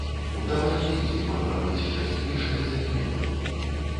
Удава з дзецьмі магла быць шчаслівейшая за мяне тады.